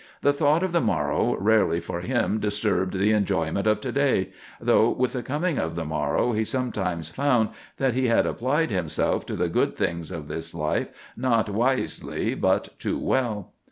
The thought of the morrow rarely for him disturbed the enjoyment of to day, though with the coming of the morrow he sometimes found that he had applied himself to the good things of this life not wisely but too well.